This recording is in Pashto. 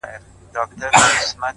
هسې سترگي پـټـي دي ويــــده نــه ده ـ